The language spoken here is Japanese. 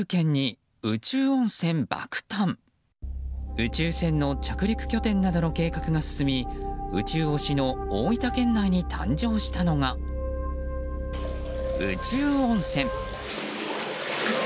宇宙船の着陸拠点の計画などが進み宇宙推しの大分県内に誕生したのが宇宙温泉。